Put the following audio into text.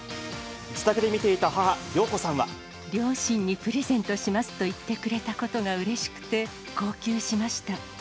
自宅で見ていた母、両親にプレゼントしますと言ってくれたことがうれしくて、号泣しました。